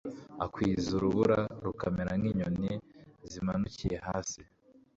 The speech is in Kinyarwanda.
akwiza urubura, rukamera nk'inyoni zimanukiye hasi